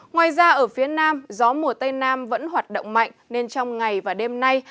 ngoài ra ở phía nam gió mùa tây nam vẫn hoạt động mạnh nên trong ngày và đêm nay